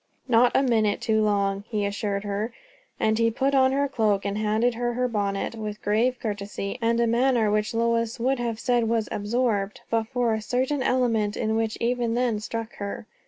"Not a minute too long," he assured her; and he put on her cloak and handed her her bonnet with grave courtesy, and a manner which Lois would have said was absorbed, but for a certain element in it which even then struck her.